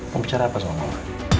mau bicara apa sama mama